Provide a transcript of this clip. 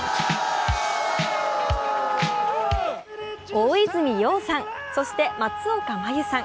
大泉洋さん、そして松岡茉優さん。